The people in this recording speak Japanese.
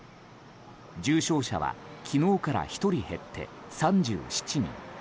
重症者は昨日から１人減って３７人。